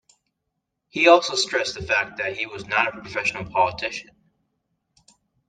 He also stressed the fact that he was not a professional politician.